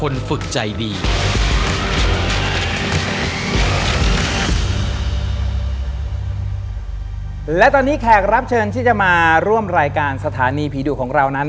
และตอนนี้แขกรับเชิญที่จะมาร่วมรายการสถานีผีดุของเรานั้น